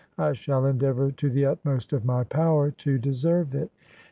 . I shall endeavour to the utmost of my power, to deserve it.